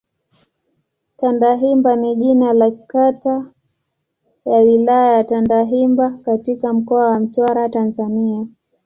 Tandahimba ni jina la kata ya Wilaya ya Tandahimba katika Mkoa wa Mtwara, Tanzania.